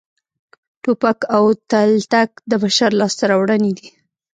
ټوپک او تلتک د بشر لاسته راوړنې دي